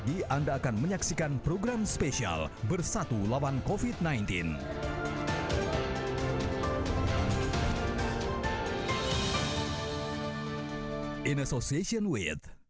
di video selanjutnya